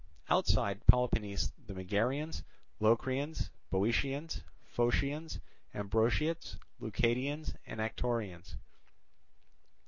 Outside Peloponnese the Megarians, Locrians, Boeotians, Phocians, Ambraciots, Leucadians, and Anactorians.